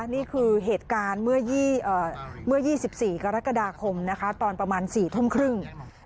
นี่คือเหตุการณ์เมื่อ๒๔กรกฎาคมนะคะตอนประมาณ๔ทุ่มครึ่ง